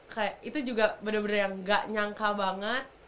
kayak itu juga bener bener yang gak nyangka banget